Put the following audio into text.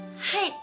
はい。